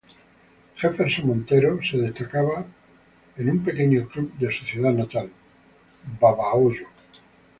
Jefferson Montero se destacaba en un pequeño club de su ciudad natal, Babahoyo.